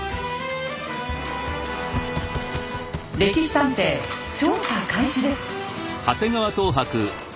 「歴史探偵」調査開始です。